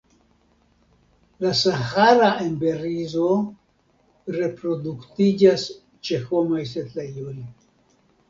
La Sahara emberizo reproduktiĝas ĉe homaj setlejoj.